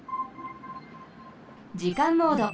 じかんモード。